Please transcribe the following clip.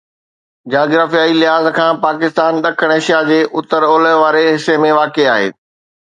جاگرافيائي لحاظ کان پاڪستان ڏکڻ ايشيا جي اتر اولهه واري حصي ۾ واقع آهي